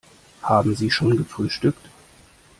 Haben Sie schon gefrühstückt?